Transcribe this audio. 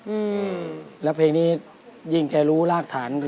เพราะว่าเพลงนี้ยิ่งแค่รู้รากฐาน